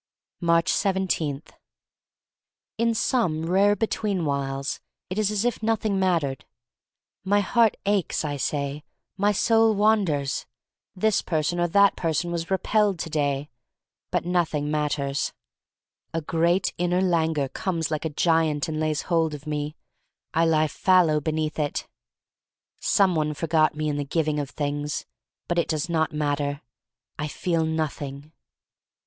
Aatcb 17« IN SOME rare between whiles it is as if nothing mattered. My heart aches, I say; my soul wanders; this person or that person was repelled to day; but nothing matters. A great inner languor comes like a giant and lays hold of me. I lie fallow beneath it. Some one forgot me in the giving of things. But it does not matter. I feel nothing.